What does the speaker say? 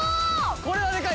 これはでかい！